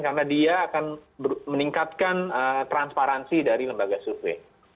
karena dia akan meningkatkan transparansi dari lembaga survei